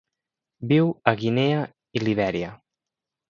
Viu a Guinea i Libèria.